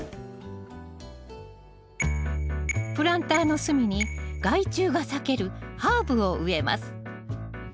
プランターの隅に害虫が避けるハーブを植えます